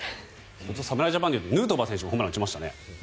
侍ジャパンでいうとヌートバー選手もホームランを打ちましたね。